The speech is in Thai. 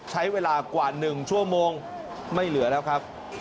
ใช้เวลากว่า๑ชั่วโมงไม่เหลือแล้วครับ